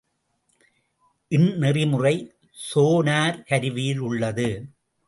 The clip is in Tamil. இந்நெறிமுறை சோனார் கருவியில் உள்ளது.